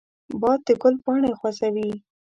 باد د ګل پاڼې خوځوي